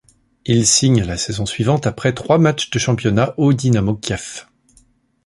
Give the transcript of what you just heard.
Il signe la saison suivante, après trois matches de championnat, au Dynamo Kiev.